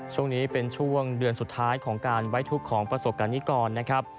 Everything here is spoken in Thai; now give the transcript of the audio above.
ช่วงนี้เป็นช่วงเดือนสุดท้ายของการไว้ทุกข์ของประสบการณิกรนะครับ